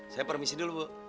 saya permisi dulu bu